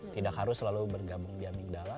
tidak harus selalu bergabung di amik dala